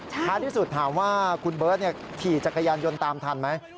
ท้ายที่สุดถามว่าคุณเบิร์ตขี่จักรยานยนต์ตามทันไหม